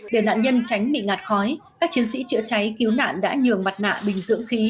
để nạn nhân tránh bị ngạt khói các chiến sĩ chữa cháy cứu nạn đã nhường mặt nạ bình dưỡng khí